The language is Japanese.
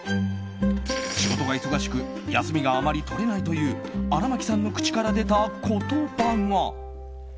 仕事が忙しく休みがあまり取れないという荒牧さんの口から出た言葉が。